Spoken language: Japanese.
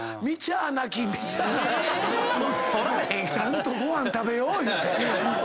ちゃんとご飯食べよういうて。